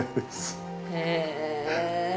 へえ。